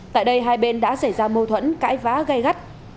tại đây hai bên đã xảy ra mâu thuẫn cãi vã gây gắt